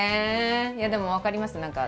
いやでも分かります何か。